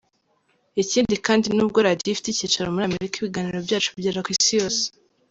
Ikindi kandi nubwo radio ifite icyicaro muri Amerika, ibiganiro byacu bigera ku isi yose.